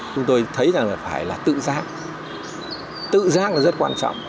chúng tôi thấy là phải tự giác tự giác là rất quan trọng